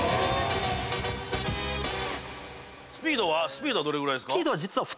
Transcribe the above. スピードはどれぐらいですか？